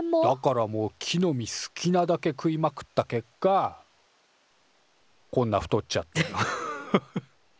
だからもう木の実好きなだけ食いまくった結果こんな太っちゃって。